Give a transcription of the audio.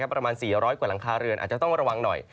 ประมาณ๔๐๐กว่าหลังคาเรือนอาจจะต้องระวังหน่อย